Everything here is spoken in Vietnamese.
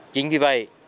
chính vì vậy